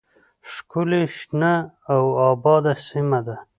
، ښکلې، شنه او آباده سیمه ده.